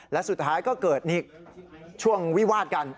และสุดท้ายก็เกิดนี่ช่วงวิวาดกัน